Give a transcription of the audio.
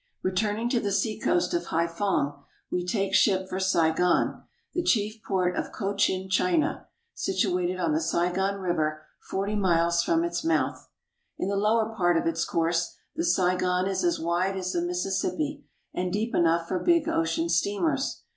Returning to the seacoast at Haiphong, we take ship for Saigon (si gon'), the chief port of Cochin China, situ ated on the Saigon River forty miles from its mouth. In the lower part of its course the Saigon is as wide as the Mississippi, and deep enough for big ocean steamers.